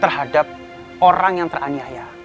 terhadap orang yang teraniaya